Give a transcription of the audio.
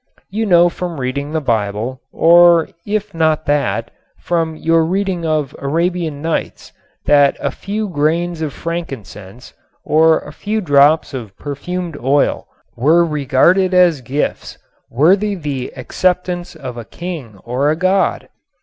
You know from reading the Bible, or if not that, from your reading of Arabian Nights, that a few grains of frankincense or a few drops of perfumed oil were regarded as gifts worthy the acceptance of a king or a god.